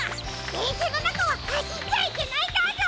でんしゃのなかははしっちゃいけないんだぞ！